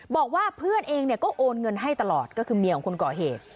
บอกว่าเพื่อนเองเนี่ยก็โอนเงินให้ตลอดก็คือเมียของคนก่อเหตุ